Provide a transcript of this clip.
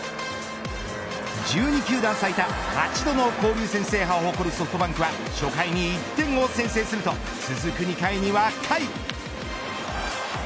１２球団最多８度の交流戦制覇を誇るソフトバンクは初回に１点を先制すると続く２回には甲斐。